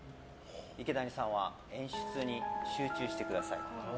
池谷さんは演出に集中してください。